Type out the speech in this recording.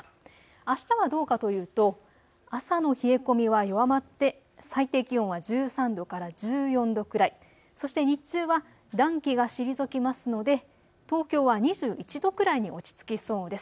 あしたはどうかというと朝の冷え込みは弱まって最低気温は１３度から１４度くらい、そして日中は暖気が退きますので東京は２１度くらいに落ち着きそうです。